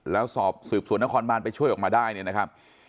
แล้วสอบสืบสวนนครบานไปช่วยออกมาได้เนี่ยนะครับ